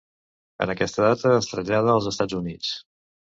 En aquesta data es trasllada als Estats Units.